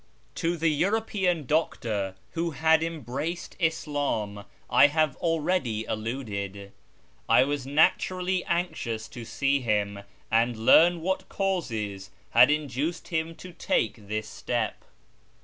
To the European doctor who had embraced Ish'im I have already alluded. I was naturally anxious to see him, and learn what causes had induced him to take this step.